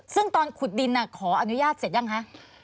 ซึ่งตอนขุดดินขออนุญาตเสร็จยังคะ